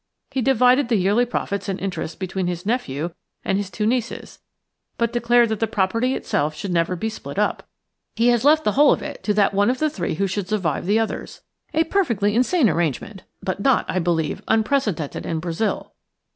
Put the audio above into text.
He divided the yearly profits and interest between his nephew and his two nieces, but declared that the property itself should never be split up. He has left the whole of it to that one of the three who should survive the others. A perfectly insane arrangement, but not, I believe, unprecedented in Brazil."